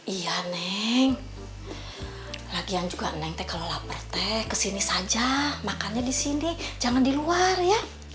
iya neng lagian juga neng teh kalau lapar teh kesini saja makannya di sini jangan di luar ya